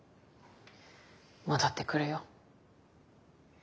戻ってくるよ。